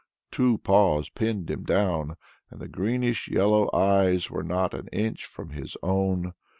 Two paws pinned him down, and the greenish yellow eyes were not an inch from his own.